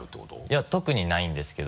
いや特にないんですけど。